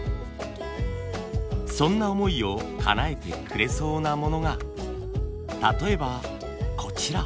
そんな思いをかなえてくれそうなものが例えばこちら。